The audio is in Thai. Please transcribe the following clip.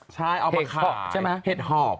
ใช่เอามาขายเห็ดหอบ